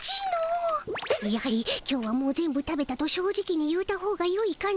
やはり「今日はもう全部食べた」と正直に言うたほうがよいかの？